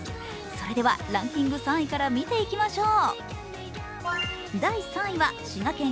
それではランキング３位から見ていきましょう。